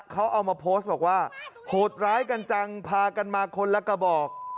เขาเอามาโพสต์บอกว่าโหดร้ายกันจังพากันมาคนละกระบอก